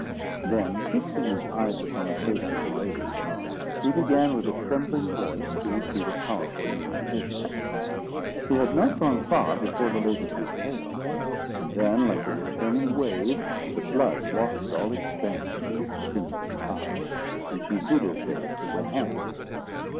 Then, fixing his eyes upon the face of the lady, he began with a trembling voice to repeat a powerful incantation. He had not gone far, before the lady grew pale; and then, like a returning wave, the blood washed all its banks with its crimson tide, and she hid her face in her hands.